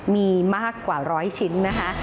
มีมากกว่าร้อยชิ้นนะคะ